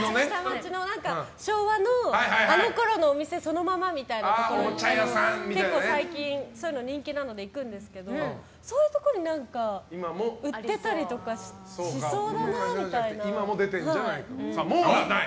昭和のあのころのお店そのままみたいなところで結構、最近そういうの人気なので行くんですけどそういうところに売ってたりとかモーラーはない。